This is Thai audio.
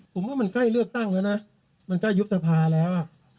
ผมว่ามันใกล้เลือกตั้งแล้วนะมันใกล้ยุบสภาแล้ว